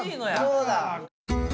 そうだ！